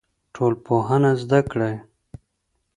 ټولنپوهنه زده کړئ.